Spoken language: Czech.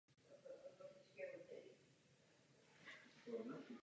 V lodi je valená klenba a dřevěná kruchta.